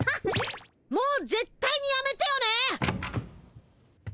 もうぜっ対にやめてよね！